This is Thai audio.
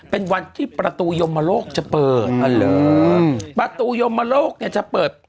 เป็นวันที่ประตูยมโลกจะเปิดประตูยมโลกจะเปิด